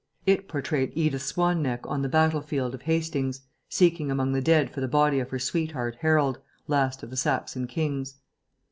It portrayed Edith Swan neck on the battlefield of Hastings, seeking among the dead for the body of her sweetheart Harold, last of the Saxon kings.